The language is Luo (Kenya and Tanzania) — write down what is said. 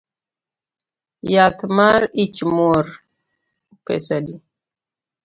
Yath mar ichmwor pesa adi?